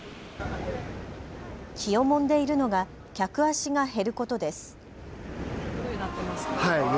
気をもんでいるのが客足が減ることです。